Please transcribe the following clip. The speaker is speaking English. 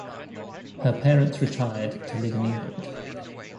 Her parents retired to live in England.